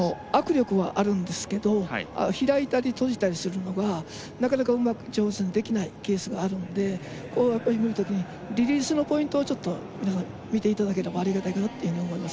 握力はあるんですけど開いたり閉じたりするのがなかなか上手にできないケースがあるので、投げるときのリリースのポイントを皆さん見ていただけると分かるかなと思います。